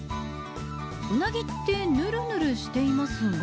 ウナギってぬるぬるしていますが。